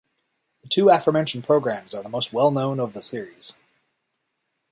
The two aforementioned programmes are the most well known of the series.